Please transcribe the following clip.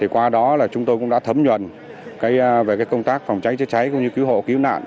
qua đó chúng tôi cũng đã thấm nhuận về công tác phòng cháy chữa cháy cũng như cứu hộ cứu nạn